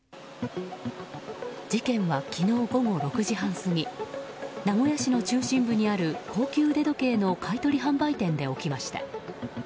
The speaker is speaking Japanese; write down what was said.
事件は昨日午後６時半過ぎ名古屋市の中心部にある高級腕時計の買い取り販売店で起きました。